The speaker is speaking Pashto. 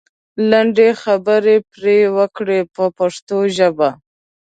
لنډې خبرې پرې وکړئ په پښتو ژبه.